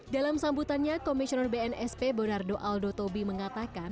dalam sambutannya komisioner bnsp bonardo aldo tobi mengatakan